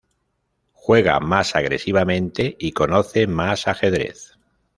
Juega más agresivamente y conoce más ajedrez.